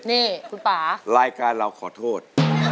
นี่คุณป่ารายการเราขอโทษ